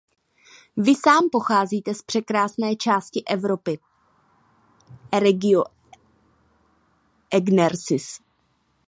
Vy sám pocházíte z překrásné části Evropy, Euregio Egrensis.